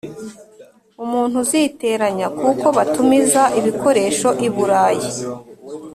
umuntu uziteranya kuko batumiza ibikoresho i Burayi.